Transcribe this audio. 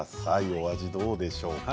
お味どうでしょうか？